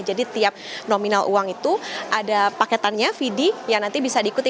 tiap nominal uang itu ada paketannya vd yang nanti bisa diikuti